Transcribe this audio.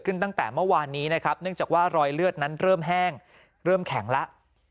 ตั้งแต่เมื่อวานนี้นะครับเนื่องจากว่ารอยเลือดนั้นเริ่มแห้งเริ่มแข็งแล้ว